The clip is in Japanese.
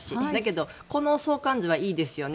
でも、この相関図はいいですよね。